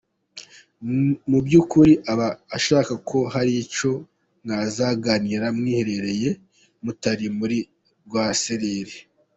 mu byukuri aba ashaka ko hari icyo mwazaganiraho mwiherereye mutari muri rwaserera.